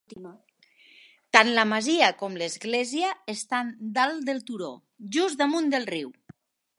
Tant la masia com l'església estan dalt del turó, just damunt del riu.